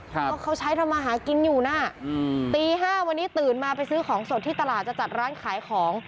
เพราะเขาใช้ทำมาหากินอยู่น่ะอืมตีห้าวันนี้ตื่นมาไปซื้อของสดที่ตลาดจะจัดร้านขายของ